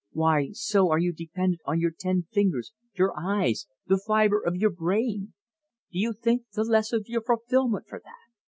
Why, so are you dependent on your ten fingers, your eyes, the fiber of your brain! Do you think the less of your fulfillment for that?"